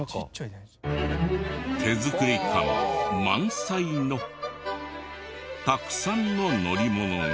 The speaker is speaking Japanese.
手作り感満載のたくさんの乗り物が。